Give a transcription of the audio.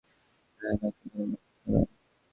রেহানকে কোনো গল্প শোনাও।